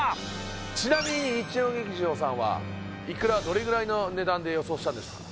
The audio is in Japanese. ちなみに日曜劇場さんはいくらどれぐらいの値段で予想したんですか？